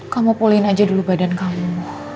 kamu polling aja dulu badan kamu